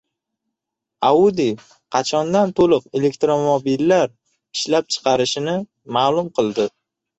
Audi qachondan to‘liq elektromobillar ishlab chiqarishini ma’lum qildi